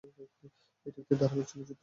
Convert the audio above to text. এটি একটি ধারাবাহিক চলচ্চিত্র।